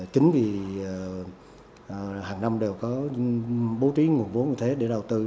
chính vì hàng năm đều có bố trí nguồn vốn như thế để đầu tư